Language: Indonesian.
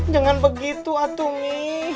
jangan begitu atungi